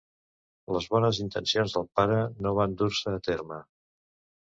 Les bones intencions del pare no van dur-se a terme.